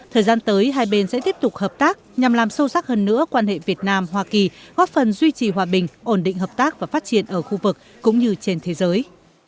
thời gian tới hai bên sẽ tiếp tục hợp tác nhằm làm sâu sắc hơn nữa quan hệ việt nam hoa kỳ góp phần duy trì hòa bình ổn định hợp tác và phát triển ở khu vực cũng như trên thế giới